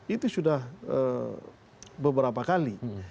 itu sudah beberapa kali